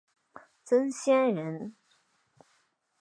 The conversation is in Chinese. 曾铣人。